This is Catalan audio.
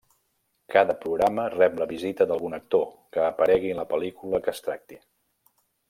Cada programa rep la visita d'algun actor que aparegui en la pel·lícula que es tracti.